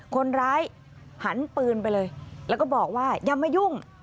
คนร้ายหันปืนไปเลยแล้วก็บอกว่าอย่ามายุ่ง